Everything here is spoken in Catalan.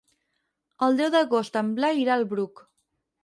El deu d'agost en Blai irà al Bruc.